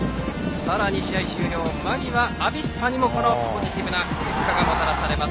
試合終了間際、アビスパにもポジティブなゴールがもたらされます。